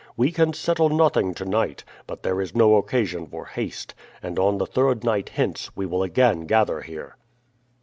We can settle nothing to night; but there is no occasion for haste, and on the third night hence we will again gather here."